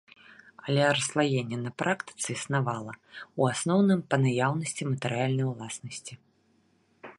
Але расслаенне на практыцы існавала, у асноўным па наяўнасці матэрыяльнай уласнасці.